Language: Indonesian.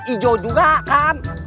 ijo juga kan